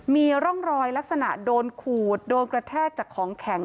มีร่องรอยลักษณะโดนขูดโดนกระแทกจากของแข็ง